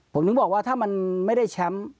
ผมถึงบอกว่าถ้ามันไม่ได้แชมป์